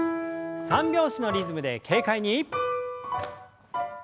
三拍子のリズムで軽快に。